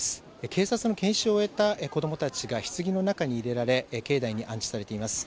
警察の検視を終えた子どもたちがひつぎの中に入れられ境内に安置されています。